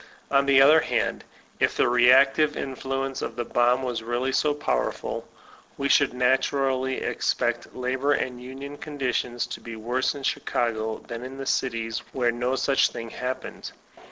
On the other hand, if the reactive influence of the bomb was really so powerful, we should naturally expect labor and union conditions to be worse in Chicago than in the cities where no such thing hap pened.